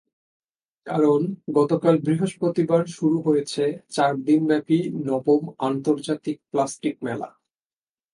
কারণ গতকাল বৃহস্পতিবার শুরু হয়েছে চার দিনব্যাপী নবম আন্তর্জাতিক প্লাস্টিক মেলা।